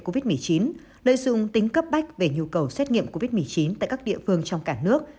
covid một mươi chín lợi dụng tính cấp bách về nhu cầu xét nghiệm covid một mươi chín tại các địa phương trong cả nước